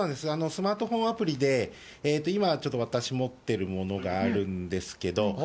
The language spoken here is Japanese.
スマートフォンアプリで、今ちょっと私、持ってるものがあるんですけど。